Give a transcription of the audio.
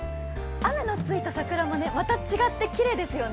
雨のついた桜も、また違って、いいですよね。